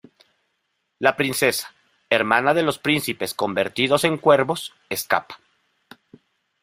La princesa, hermana de los príncipes convertidos en cuervos, escapa.